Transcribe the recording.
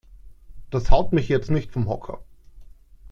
Das haut mich jetzt nicht vom Hocker.